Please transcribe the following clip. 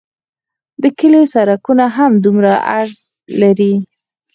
د کلیو سرکونه هم همدومره عرض لري